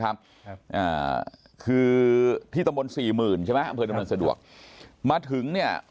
ครับอ่าคือที่ตำบลสี่หมื่นใช่ไหมอำเภอดำเนินสะดวกมาถึงเนี่ย